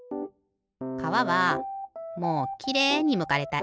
かわはもうきれいにむかれたい。